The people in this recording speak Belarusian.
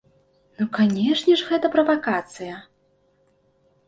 Ну, канешне ж, гэта правакацыя!